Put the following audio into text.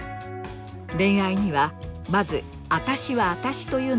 恋愛にはまず“あたしはあたし”というのがすごく大切です。